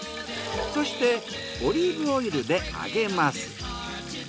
そしてオリーブオイルで揚げます。